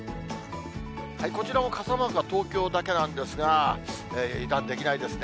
こちらも傘マークは東京だけなんですが、油断できないですね。